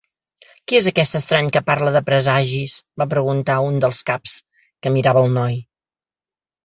"Qui és aquest estrany que parla de presagis?", va preguntar un dels caps, que mirava el noi.